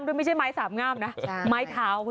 ถูกไม่ใช่ไม้เท้าสาบงามนะ